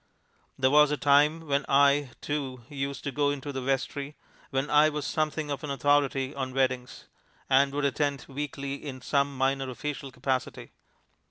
There was a time when I, too, used to go into the vestry; when I was something of an authority on weddings, and would attend weekly in some minor official capacity.